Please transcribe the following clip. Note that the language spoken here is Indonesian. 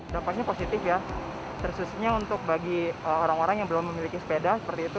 dampaknya positif ya khususnya untuk bagi orang orang yang belum memiliki sepeda seperti itu